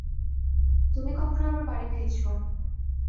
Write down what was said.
তুমি কখন আবার বাড়ি ফিরছো?